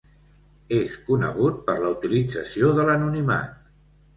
És conegut per la utilització de l'anonimat.